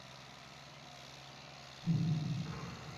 মেয়েটি জানাল, তার বাবা দারিদ্র্যের কারণে স্কুলে যাওয়া বন্ধ করে দিয়েছেন।